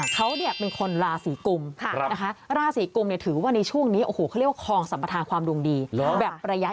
เขาเป็นคนราศีกรุมราศีกรุมถือว่าในช่วงนี้เขาเรียกว่าคลองสัมปทางความดวงดีแบบระยะยาก